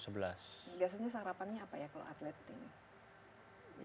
biasanya sarapannya apa ya kalau atlet ini